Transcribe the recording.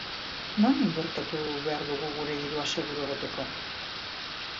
Non inbertitu behar dugu gure dirua seguru egoteko?